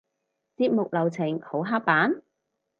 節目流程好刻板？